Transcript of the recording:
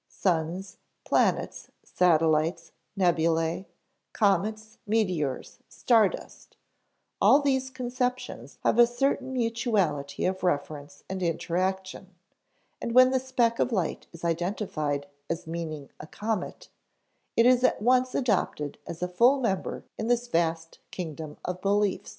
Suns, planets, satellites, nebulæ, comets, meteors, star dust all these conceptions have a certain mutuality of reference and interaction, and when the speck of light is identified as meaning a comet, it is at once adopted as a full member in this vast kingdom of beliefs.